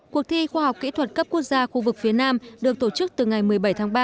cuộc thi khoa học kỹ thuật cấp quốc gia khu vực phía nam được tổ chức từ ngày một mươi bảy tháng ba